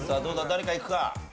誰かいくか？